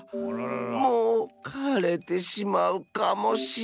もうかれてしまうかもしれん。